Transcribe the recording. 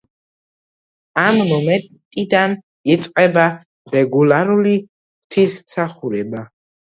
ამ მომენტიდან იწყება რეგულარული ღვთისმსახურება.